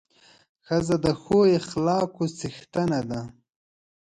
ښځه د ښو اخلاقو څښتنه ده.